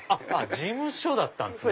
事務所だったんですね。